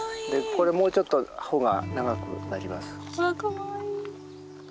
これもうちょっと穂が長くなります。